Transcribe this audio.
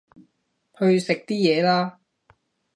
去食啲嘢啦